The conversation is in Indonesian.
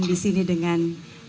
di sini dengan